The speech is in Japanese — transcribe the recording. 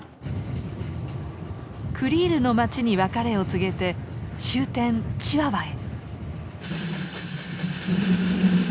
クリールの街に別れを告げて終点チワワへ。